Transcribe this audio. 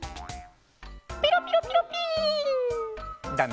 「ピロピロピロピ」だね。